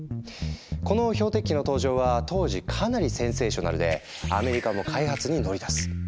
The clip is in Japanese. この標的機の登場は当時かなりセンセーショナルでアメリカも開発に乗り出す。